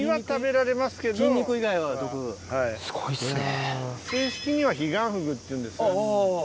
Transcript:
すごいっすね。